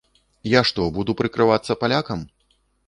Я што, буду прыкрывацца палякам?